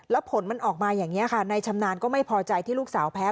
แล้วผลมันออกมาอย่างนี้ค่ะในชำนาญก็ไม่พอใจที่ลูกสาวแพ้